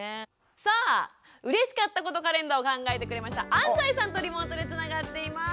さあ「うれしかったことカレンダー」を考えてくれました安齋さんとリモートでつながっています。